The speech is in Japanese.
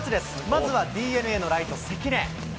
まずはＤｅＮＡのライト、関根。